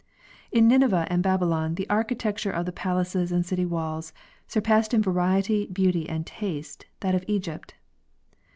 In Nineveh and Babylon the architecture of the palaces and city walls surpassed in variety, beauty, and taste that of Egypt.